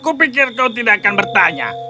kupikir kau tidak akan bertanya